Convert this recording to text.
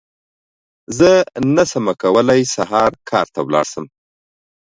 زه نشم کولی سهار کار ته لاړ شم!